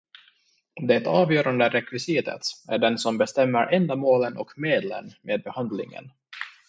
Det avgörande rekvisitet är den som bestämmer ändamålen och medlen med behandlingen.